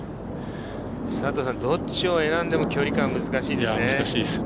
どっちを選んでも距離感、難しいですね。